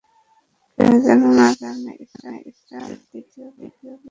কেউ যেন না জানে এটা বিশুর দ্বিতীয় বিয়ে।